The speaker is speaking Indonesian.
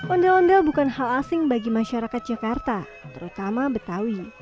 ondel ondel bukan hal asing bagi masyarakat jakarta terutama betawi